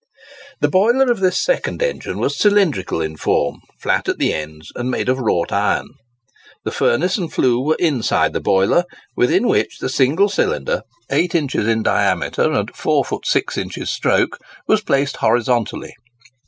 The boiler of this second engine was cylindrical in form, flat at the ends, and made of wrought iron. The furnace and flue were inside the boiler, within which the single cylinder, eight inches in diameter and four feet six inches stroke, was placed horizontally.